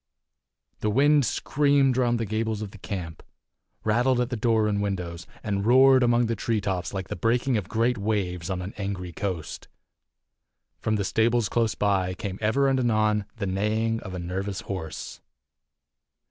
The wind screamed round the gables of the camp, rattled at the door and windows, and roared among the tree tops like the breaking of great waves on an angry coast. From the stables close by came ever and anon the neighing of a nervous horse.